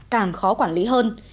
càng khó quản lý hơn